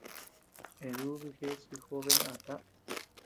Eduviges chi jobe ndata.